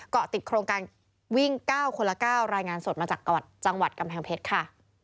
เกาะติดโครงการวิ่ง๙คนละ๙รายงานสดมาจากจังหวัดกำแพงเพชรค่ะ